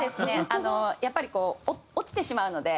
やっぱりこう落ちてしまうので。